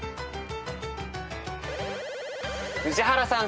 宇治原さん